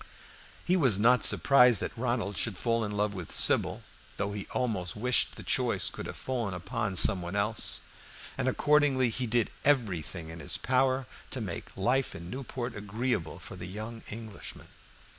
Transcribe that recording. He was not surprised that Ronald should fall in love with Sybil, though he almost wished the choice could have fallen upon some one else, and accordingly he did everything in his power to make life in Newport agreeable for the young Englishman.